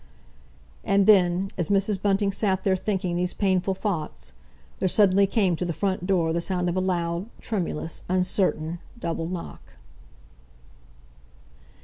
And then, as Mrs. Bunting sat there thinking these painful thoughts, there suddenly came to the front door the sound of a loud, tremulous, uncertain double knock.